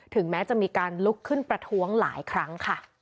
แม้จะมีการลุกขึ้นประท้วงหลายครั้งค่ะ